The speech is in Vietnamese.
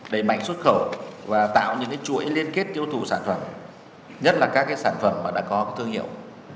đẩy mạnh xuất khẩu và tạo những chuỗi liên kết tiêu thụ sản phẩm nhất là các sản phẩm mà đã có thương hiệu